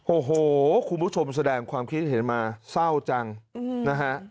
โอ้โหคุณผู้ชมแสดงความคิดเห็นมาเศร้าจังนะฮะ